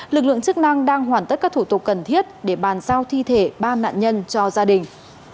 lực lượng chức năng đang hoàn tất các thủ tục cần thiết để bàn giao thi thể ba nạn nhân cho gia đình